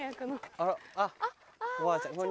あらあっおばあちゃん。